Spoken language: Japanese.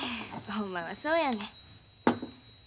ほんまはそうやねん。